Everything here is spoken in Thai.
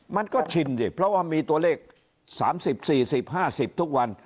มันก็ชินดิเพราะว่ามีตัวเลขสามสิบสี่สิบห้าสิบทุกวัน